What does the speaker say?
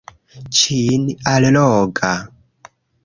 Ĉin-alloga